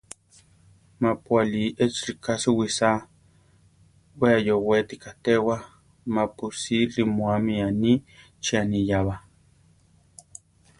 Mapu alí echi rika suwísa, we ayóweti katéwa, mapusí rimúami aní chí aniyába.